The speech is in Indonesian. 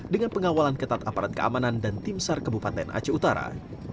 dengan pengawalan ketat aparat keamanan dan timsar kebupaten aceh utara